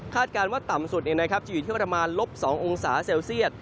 การว่าต่ำสุดจะอยู่ที่ประมาณลบ๒องศาเซลเซียต